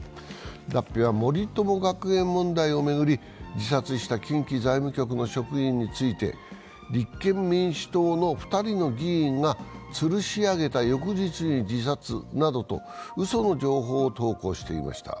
Ｄａｐｐｉは森友学園問題により自殺した近畿財務局の職員について立憲民主党の２人の議員が「吊しあげた翌日に自殺」などと、うその情報を投稿していました。